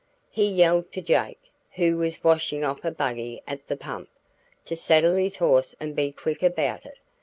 He yelled to Jake, who was washin' off a buggy at the pump, to saddle his horse and be quick about it.